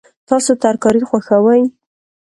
تاسو ترکاري خوښوئ؟